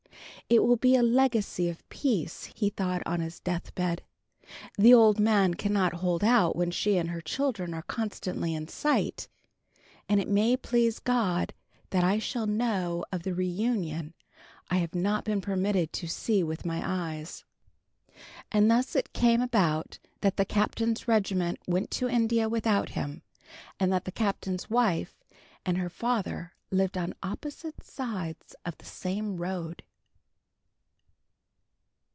"It will be a legacy of peace," he thought, on his death bed. "The old man cannot hold out when she and her children are constantly in sight. And it may please GOD that I shall know of the reunion I have not been permitted to see with my eyes." And thus it came about that the Captain's regiment went to India without him, and that the Captain's wife and her father lived on opposite sides of the same road.